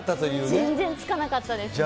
全然つかなかったですね。